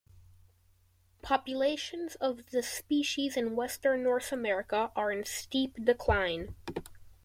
Populations of this species in western North America are in steep decline.